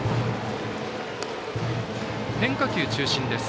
変化球中心です。